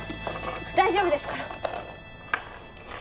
大丈夫ですから！